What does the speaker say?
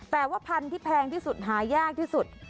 แต่ว่าพันธุ์ที่แพงที่สุดหายากที่สุด